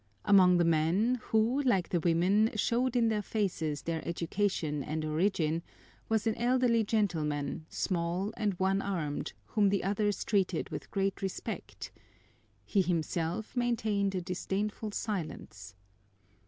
Among the men, who, like the women, showed in their faces their education and origin, was an elderly gentleman, small and one armed, whom the others treated with great respect. He himself maintained a disdainful silence.